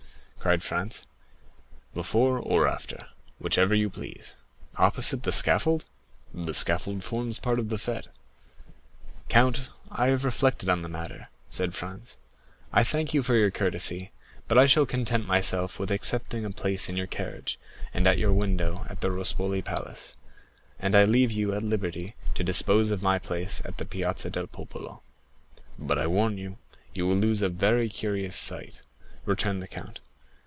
cried Franz. "Before or after, whichever you please." "Opposite the scaffold?" "The scaffold forms part of the fête." "Count, I have reflected on the matter," said Franz, "I thank you for your courtesy, but I shall content myself with accepting a place in your carriage and at your window at the Rospoli Palace, and I leave you at liberty to dispose of my place at the Piazza del Popolo." "But I warn you, you will lose a very curious sight," returned the count.